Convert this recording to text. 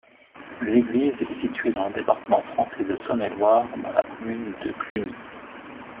L'église est située dans le département français de Saône-et-Loire, dans la commune de Cluny.